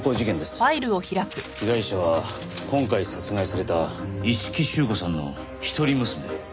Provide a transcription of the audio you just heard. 被害者は今回殺害された一色朱子さんの一人娘。